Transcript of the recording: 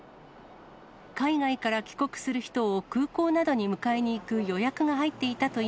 海外から帰国する人を空港などに迎えにいく予約が入っていたとい